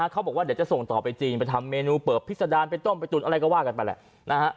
เขาบอกว่าเดี๋ยวจะส่งต่อไปจีนไปทำเมนูเปิบพิษดารไปต้มไปตุ๋นอะไรก็ว่ากันไปแหละนะฮะ